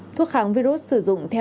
thuốc kháng virus sử dụng thiết kế